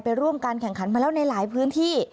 ร่วมการแข่งขันมาแล้วในหลายพื้นที่